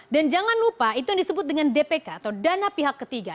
dan jangan lupa itu yang disebut dengan dpk atau dana pihak ketiga